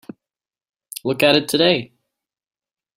Look at it today.